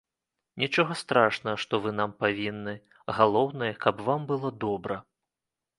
Нічога страшнага, што вы нам павінны, галоўнае, каб вам было добра!